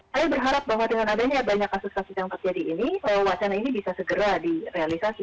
saya berharap bahwa dengan adanya banyak kasus kasus yang terjadi ini wacana ini bisa segera direalisasi